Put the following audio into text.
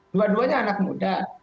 dua duanya anak muda